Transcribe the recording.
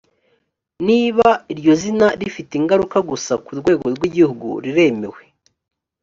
niba iryo zina rifite ingaruka gusa ku rwego rwi gihugu riremewe.